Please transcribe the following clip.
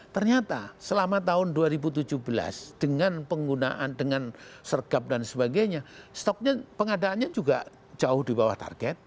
ternyata selama tahun dua ribu tujuh belas dengan penggunaan dengan sergap dan sebagainya stoknya pengadaannya juga jauh di bawah target